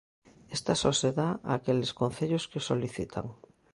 Esta só se dá a aqueles concellos que o solicitan.